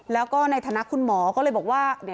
แล้วก็ในฐานะคุณหมอก็เลยบอกว่า